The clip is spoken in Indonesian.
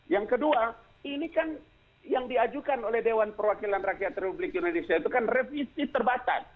yang kedua ini kan yang diajukan oleh dewan perwakilan rakyat republik indonesia itu kan revisi terbatas